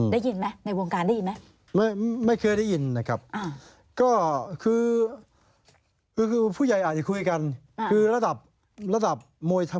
ได้ยินไหมในวงการได้ยินไหม